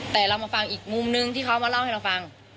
แต่เรามาฟังอีกมุมนึงที่เขามาเล่าให้เราฟัง